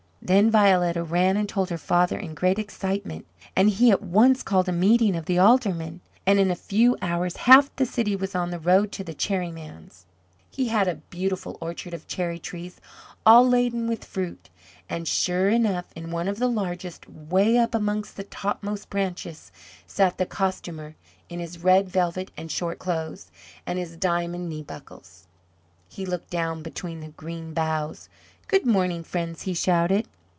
Then Violetta ran and told her father in great excitement, and he at once called a meeting of the Aldermen, and in a few hours half the city was on the road to the Cherry man's. He had a beautiful orchard of cherry trees all laden with fruit. And, sure enough in one of the largest, way up amongst the topmost branches, sat the Costumer in his red velvet and short clothes and his diamond knee buckles. He looked down between the green boughs. "Good morning, friends!" he shouted.